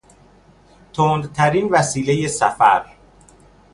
تندترین وسیلهی سفر